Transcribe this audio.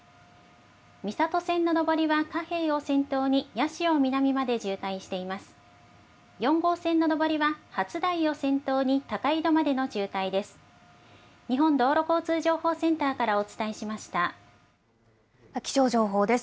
三郷線の上りは加平を先頭に、八潮南まで渋滞しています。